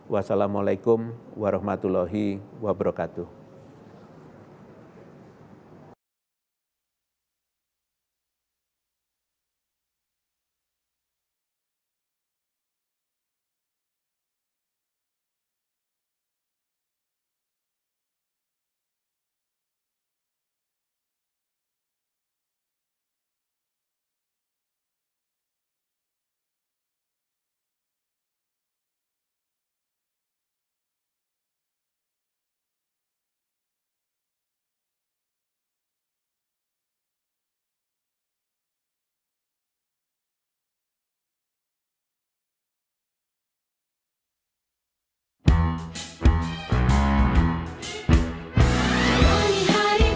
wassalamu'alaikum warahmatullahi wabarakatuh